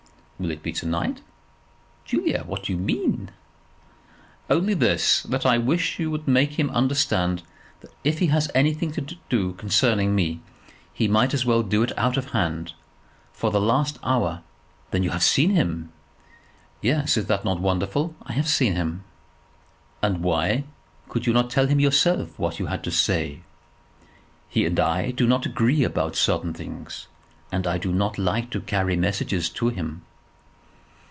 "Will it be to night?" "Julie, what do you mean?" "Only this, that I wish you would make him understand that if he has anything to do concerning me, he might as well do it out of hand. For the last hour " "Then you have seen him?" "Yes; is not that wonderful? I have seen him." "And why could you not tell him yourself what you had to say? He and I do not agree about certain things, and I do not like to carry messages to him.